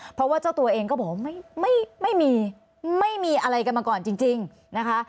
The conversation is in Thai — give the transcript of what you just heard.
เพราะว่าเจ้าตัวเองก็บอกว่าไม่มีไม่มีอะไรกันมาก่อนจริงนะคะ